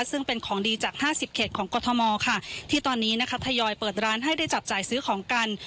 ซึ่งเป็นของดีจากห้าสิบเขตของกรทมค่ะที่ตอนนี้นะคะทยอยเปิดร้านให้ได้จับจ่ายซื้อของกัน